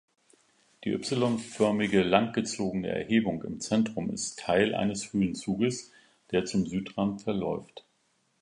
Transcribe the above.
Die y-förmige langgezogene Erhebung im Zentrum ist Teil eines Höhenzuges, der zum Südrand verläuft.